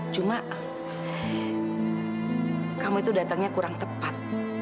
cuma kamu itu datangnya kurang tepat